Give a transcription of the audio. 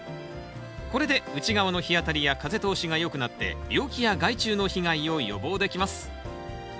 これで内側の日当たりや風通しがよくなって病気や害虫の被害を予防できます。